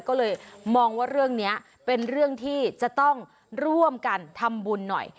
ก็เลยมองว่าเรื่องนี้เป็นเรื่องที่จะต้องร่วมกันทำบุญหน่อย